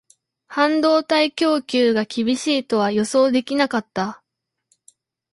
半導体供給が厳しいとは予想できなかった